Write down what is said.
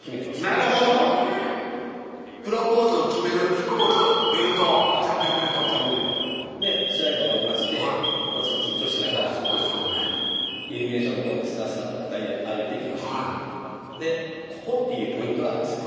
なるほどうんプロポーズを決めるイコールベルトチャンピオンベルトチャンピオンベルト試合が終わりまして私も緊張しながらイルミネーションのとこにスタスタと２人で歩いて行きましたでここっていうポイントがあるんですね